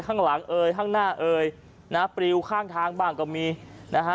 ข้างหลังเอ่ยข้างหน้าเอ่ยนะฮะปริวข้างทางบ้างก็มีนะฮะ